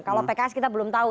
kalau pks kita belum tahu